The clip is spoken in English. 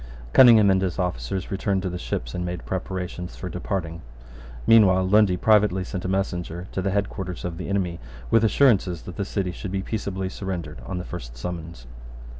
Cunningham and his officers returned to the ships, and made preparations for departing. Meanwhile Lundy privately sent a messenger to the head quarters of the enemy, with assurances that the city should be peaceably surrendered on the first summons.